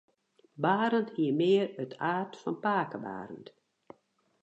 Barend hie mear it aard fan pake Barend.